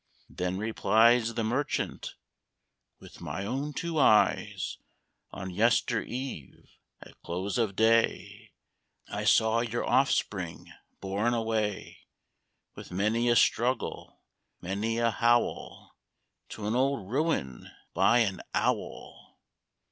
Then replies The Merchant, "With my own two eyes, On yester eve, at close of day, I saw your offspring borne away, With many a struggle, many a howl, To an old ruin, by an owl."